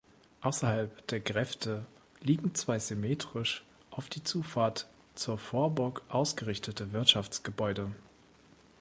Außerhalb der Gräfte liegen zwei symmetrisch auf die Zufahrt zur Vorburg ausgerichtete Wirtschaftsgebäude.